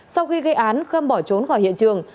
sau khi gây án khâm bỏ trốn khỏi hiện trường